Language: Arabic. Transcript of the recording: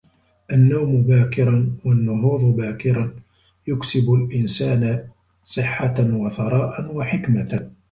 النوم باكراً والنهوض باكراً يكسب الإنسان صحة وثراء وحكمة.